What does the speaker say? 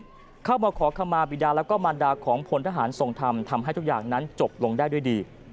ส่งธรรมจนเสียชีวิตเข้ามาขอคำมาบิดาและก็มารดาของพลทหารส่งธรรมทำให้ทุกอย่างนั้นจบลงได้ด้วยดี